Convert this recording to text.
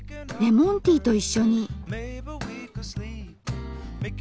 「レモンティー」と一緒に。